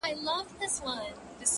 كله، كله يې ديدن تــه لـيونـى سم،